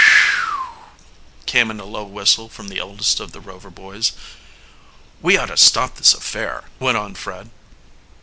"Phew!" came in a low whistle from the eldest of the Rover Boys. "We ought to stop this affair," went on Fred.